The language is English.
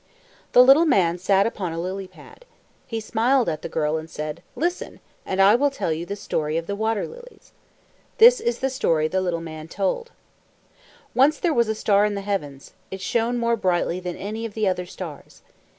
The little man sat upon a lily pad. He smiled at the girl and said, "Listen, and I will tell you the story of the water lilies." This is the story the little man told: Once there was a star in the heavens, it shone more brightly than any of the other stars.